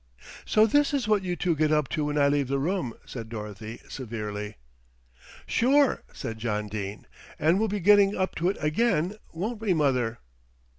"So this is what you two get up to when I leave the room," said Dorothy severely. "Sure," said John Dene, "and we'll be getting up to it again, won't we, mother?"